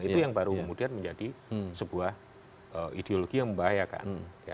itu yang baru kemudian menjadi sebuah ideologi yang membahayakan